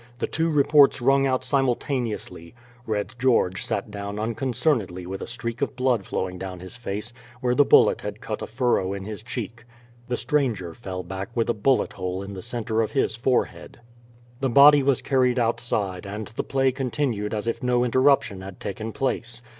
The two reports rung out simultaneously: Red George sat down unconcernedly with a streak of blood flowing down his face, where the bullet had cut a furrow in his cheek; the stranger fell back with a bullet hole in the center of his forehead. The body was carried outside, and the play continued as if no interruption had taken place.